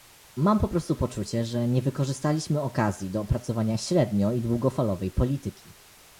Mam po prostu poczucie, że nie wykorzystaliśmy okazji do opracowania średnio- i długofalowej polityki